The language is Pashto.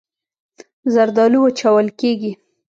زردالو وچول کېږي.